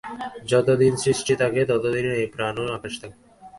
যতদিন সৃষ্টি থাকে, ততদিন এই প্রাণ ও আকাশ থাকে।